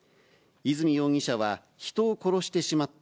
泉容疑者は、人を殺してしまった。